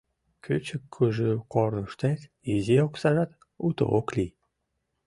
— Кӱчык-кужу корныштет изи оксажат уто ок лий.